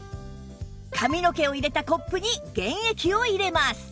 髪の毛を入れたコップに原液を入れます